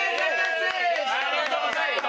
・ありがとうございます。